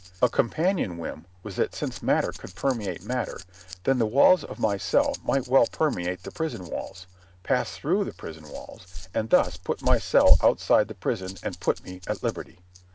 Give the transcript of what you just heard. A companion whim was that since matter could permeate matter, then the walls of my cell might well permeate the prison walls, pass through the prison walls, and thus put my cell outside the prison and put me at liberty.